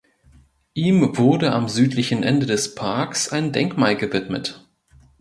Ihm wurde am südlichen Ende des Parks ein Denkmal gewidmet.